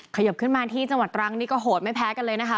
ขยบขึ้นมาที่จังหวัดตรังนี่ก็โหดไม่แพ้กันเลยนะคะ